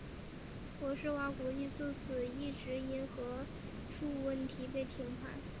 博士蛙国际自此一直因核数问题被停牌。